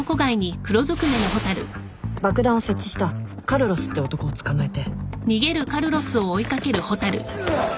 爆弾を設置したカルロスって男を捕まえて。